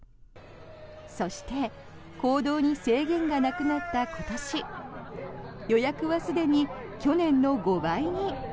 そして行動に制限がなくなった今年予約はすでに去年の５倍に。